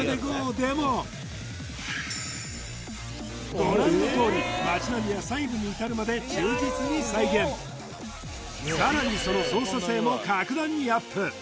でもご覧のとおり町並みは細部にいたるまで忠実に再現さらにその操作性も格段にアップ